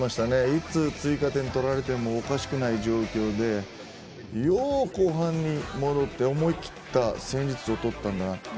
いつ追加点を取られてもおかしくない状況でよく後半に戻って思い切った戦術を取ったなと。